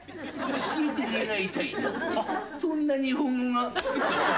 そんな日本語があるか。